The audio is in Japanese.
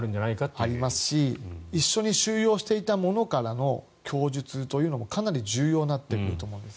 ありますし一緒に収容していた者からの供述もかなり重要になってくると思います。